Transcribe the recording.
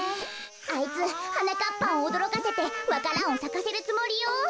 あいつはなかっぱんをおどろかせてわか蘭をさかせるつもりよ。